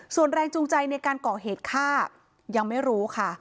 ส่วนแรงจูงใจในการก่อเหตุฆ่ายังไม่รู้ค่ะ